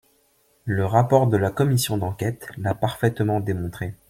Le rapport de la commission d’enquête l’a parfaitement démontré.